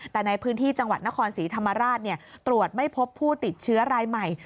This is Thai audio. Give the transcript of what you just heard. แต่ในพื้นที่จังหวัดนครศรีธรรมราชตรวจไม่พบผู้ติดเชื้อรายใหม่